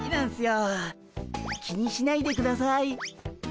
気にしないでください。